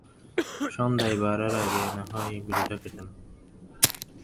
সন্ধ্যার ভিড় বাড়ার আগেই নাহয় বিলটা কেটে নাও?